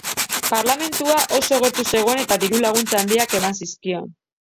Parlamentua oso gertu zegoen eta diru-laguntza handiak eman zizkion.